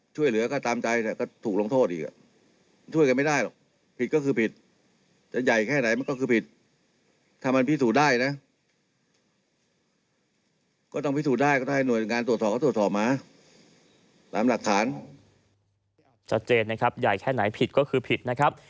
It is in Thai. ชัดเจนนะครับใหญ่แค่ไหนผิดก็คือผิดนะครับ